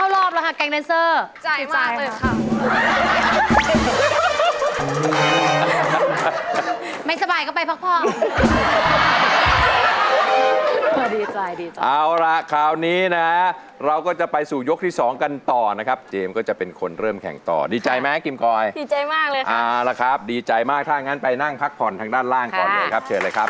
ร่วมกันค่ะหนึ่งหมื่นบาทครับ